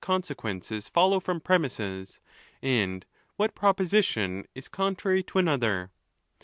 conse quences follow from premises, and what proposition is con trary to another.